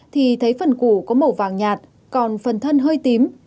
thì thấy phần củ có màu vàng nhạt còn phần thân hơi tím